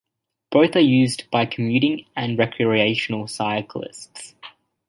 Both are used by commuting and recreational cyclists.